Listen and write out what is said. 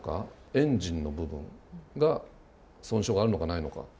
エンジンの部分が損傷があるのか、ないのか。